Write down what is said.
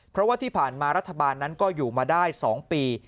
เพราะว่าที่ผ่านมารัฐบาลนั้นก็อยู่มาได้๒ปี